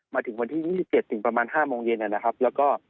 มาถึงวันที่ยี่สิบเจ็ดถึงประมาณห้าโมงเย็นเนี่ยนะครับแล้วก็